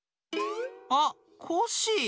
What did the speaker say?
あっコッシー。